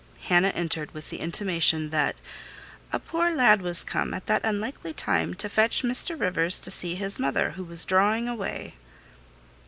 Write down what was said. Hannah entered with the intimation that "a poor lad was come, at that unlikely time, to fetch Mr. Rivers to see his mother, who was drawing away."